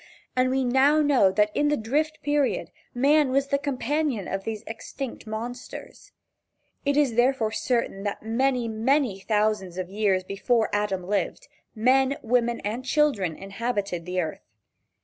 And we now know that in the Drift Period man was the companion of these extinct monsters. It is therefore certain that many, many thousands of years before Adam lived, men, women and children inhabited the earth.